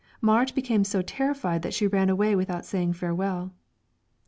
Marit became so terrified that she ran away without saying farewell.